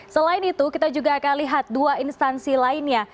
selain itu kita juga akan lihat dua instansi lainnya